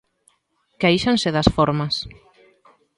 Quéixanse das formas.